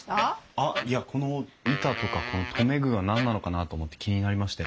あっいやこの板とかこの留め具が何なのかなと思って気になりまして。